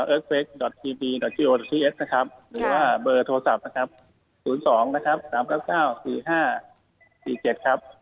หรือว่าเบอร์โทรศัพท์นะครับ๐๒๓๙๙๔๕๔๗ครับ